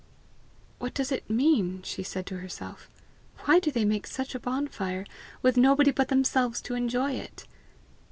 "What does it mean?" she said to herself. "Why do they make such a bonfire with nobody but themselves to enjoy it?